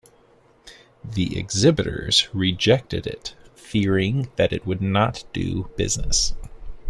The exhibitors rejected it, fearing that it would not do business.